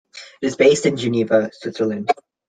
It is based in Geneva, Switzerland.